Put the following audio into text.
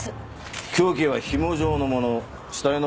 凶器はひも状のもの。